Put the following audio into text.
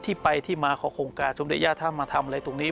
ที่ไปที่มาของโครงการสมเด็จย่าถ้ามาทำอะไรตรงนี้